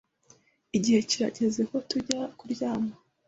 Igihe kirageze ko tujya kuryama.